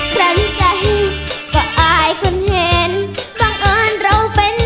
ครั้งใส่ก็อ้ายคนเห็น